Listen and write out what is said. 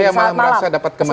saya merasa dapat kembali